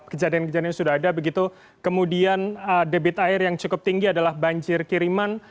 kejadian kejadian sudah ada begitu kemudian debit air yang cukup tinggi adalah banjir kiriman